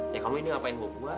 ya kalau ini ngapain bawa buah